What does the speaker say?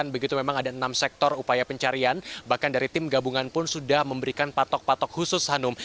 begitu memang ada enam sektor upaya pencarian bahkan dari tim gabungan pun sudah memberikan patok patok khusus hanum